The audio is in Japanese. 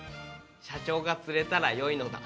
社長が釣れたら良いのだ。